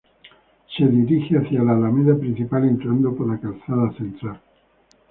Se dirige hacia la Alameda Principal, entrando por la calzada central.